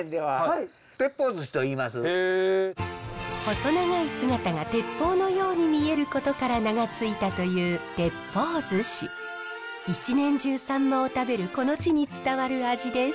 細長い姿が鉄砲のように見えることから名が付いたという一年中サンマを食べるこの地に伝わる味です。